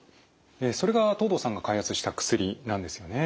それが藤堂さんが開発した薬なんですよね。